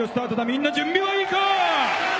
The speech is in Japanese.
みんな準備はいいか！